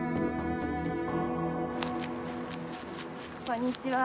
こんにちは。